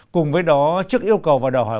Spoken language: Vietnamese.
cùng với đó trước yêu cầu và đòi hỏi